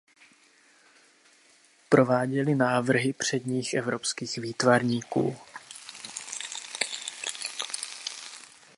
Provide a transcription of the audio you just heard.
Prováděli návrhy předních evropských výtvarníků.